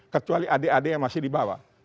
kecuali adik adik yang masih di bawah